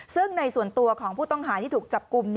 ซึ่งในส่วนตัวของผู้ต้องหาที่ถูกจับกลุ่ม